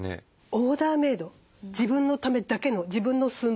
オーダーメード自分のためだけの自分の寸法